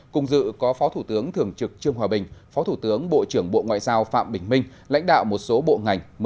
cùng dự có phó thủ tướng thường trực trương hòa bình phó thủ tướng bộ trưởng bộ ngoại giao phạm bình minh lãnh đạo một số bộ ngành